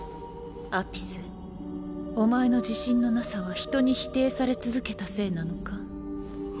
アピスお前の自信のなさは人に否定され続けたせいなのか？